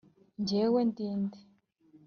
jyewe ndi nde?